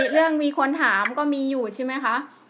อ๋อเรื่องมีคนถามก็มีอยู่ใช่ไหมคะ